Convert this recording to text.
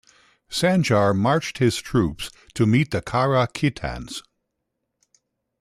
Sanjar marched his troops to meet the Kara-Khitans.